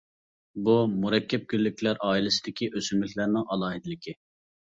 بۇ، مۇرەككەپ گۈللۈكلەر ئائىلىسىدىكى ئۆسۈملۈكلەرنىڭ ئالاھىدىلىكى.